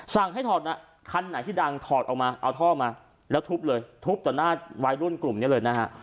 สั่งให้ถอดนะคันไหนที่ดังถอดออกมาเอาท่อมาแล้วทุบเลยทุบต่อหน้าวัยรุ่นกลุ่มนี้เลยนะฮะ